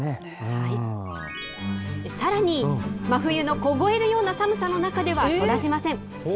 さらに、真冬の凍えるような寒さの中では、育ちません。